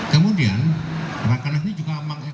kemudian rakenas ini juga